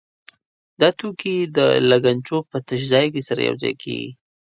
دا توکي د لګنچو په تش ځای کې سره یو ځای کېږي.